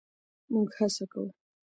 مونږ هڅه کوو